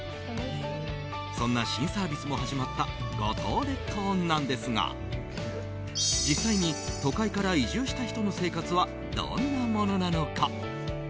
そんな新サービスも始まった五島列島なんですが実際に都会から移住した人の生活は、どんなものなのか？